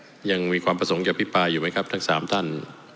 อันนี้ยังมีความผสมเกี่ยวภิปัยอยู่ไหมครับทาง๓ท่าน